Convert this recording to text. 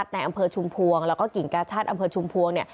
ในอำเภอชุมภวงแล้วก็กิ่งกระชัดอำเภอชุมภวง